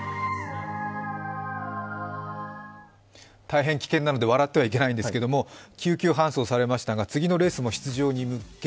大変危険なので笑ってはいけないんですけども、救急搬送されましたが次のレースの出場に向け